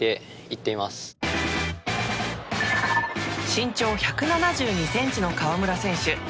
身長１７２ｃｍの河村選手。